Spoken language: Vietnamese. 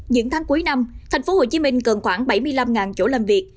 những tháng cuối năm tp hcm cần khoảng bảy mươi năm chỗ làm việc